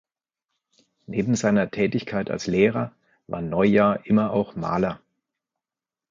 Neben seiner Tätigkeit als Lehrer war Neujahr immer auch Maler.